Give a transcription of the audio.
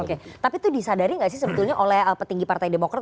oke tapi itu disadari nggak sih sebetulnya oleh petinggi partai demokrat